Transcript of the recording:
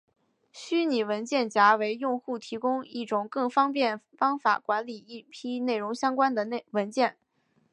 虚拟文件夹为用户提供一种更方便方法管理一批内容相关的文件。